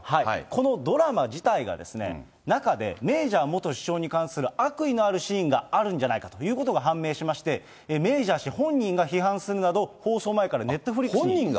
このドラマ自体がですね、中で、メージャー元首相に関する悪意のあるシーンがあるんじゃないかということが判明しまして、メージャー氏本人が非難するなど、放送前からネットフリックスに。